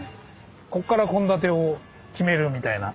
ここから献立を決めるみたいな。